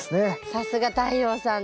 さすが太陽さんです。